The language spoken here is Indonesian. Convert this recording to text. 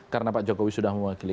karena pak jokowi sudah mewakili